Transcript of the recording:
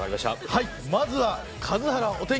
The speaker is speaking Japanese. まずは数原お天気